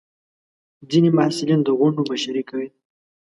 ځینې محصلین د غونډو مشري کوي.